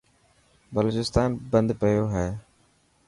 بلوچستان بند پيو هي.